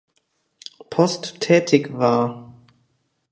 Post tätig war.